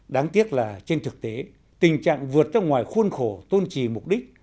đáng tiếc là trên thực tế tình trạng vượt ra ngoài khuôn khổ tôn trì mục đích